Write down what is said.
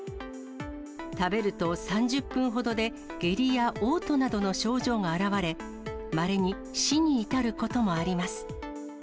食べると３０分ほどで下痢やおう吐などの症状が現れ、まれに死に至ることもあります。